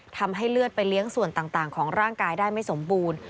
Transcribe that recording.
ทำให้เลือดไปเลี้ยงส่วนต่างของร่างกายได้ไม่สมบูรณ์